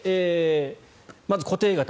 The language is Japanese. まず固定型。